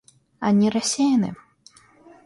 Они рассеяны.